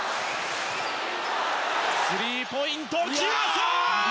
スリーポイント決まった！